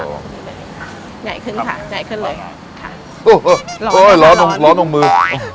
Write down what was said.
ใหญ่ขึ้นค่ะใหญ่ขึ้นเลยโอ้ยร้อนร้อนลงมือ